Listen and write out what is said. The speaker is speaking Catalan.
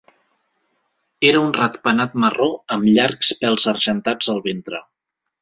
Era un ratpenat marró amb llargs pèls argentats al ventre.